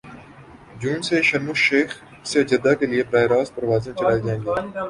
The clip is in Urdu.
جون سے شرم الشیخ سے جدہ کے لیے براہ راست پروازیں چلائی جائیں گی